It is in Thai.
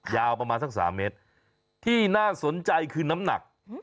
ยาวประมาณสัก๓เมตรที่น่าสนใจคือน้ำหนัก